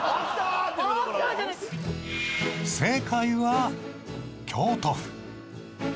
正解は京都府。